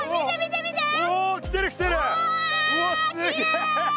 うわっすげえ！